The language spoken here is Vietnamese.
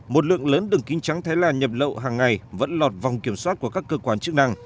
một lượng lớn đường kính trắng thái lan nhập lậu hàng ngày vẫn lọt vòng kiểm soát của các cơ quan chức năng